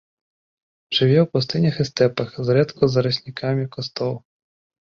Жыве ў пустынях і стэпах, зрэдку з зараснікамі кустоў.